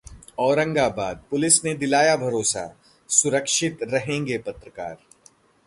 औरंगाबादः police ने दिलाया भरोसा, 'सुरक्षित रहेंगे पत्रकार'